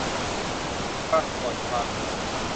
ประกวดความงาม